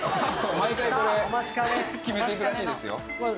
毎回これ決めていくらしいですよ。